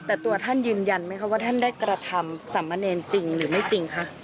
แต่ตัวท่านยืนยันไหมคะว่าท่านได้กระทำสามเณรจริงหรือไม่จริงคะ